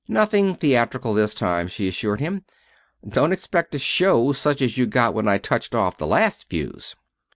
"Nothing theatrical this time," she assured him. "Don't expect a show such as you got when I touched off the last fuse."